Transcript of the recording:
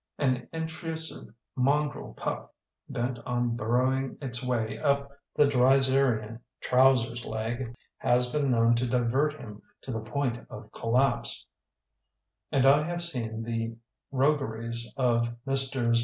An intrusive mongrel pup bent on bur rowing its way up the dreiserian trousers leg has been known to divert him to the point of collapse, and I have seen the rogueries of Messrs.